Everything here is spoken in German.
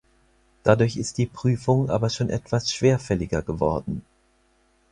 Dadurch ist die Prüfung aber schon etwas schwerfälliger geworden.